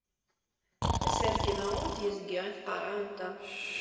Asergel-a ur d-yezgi i tqerɛunt-a.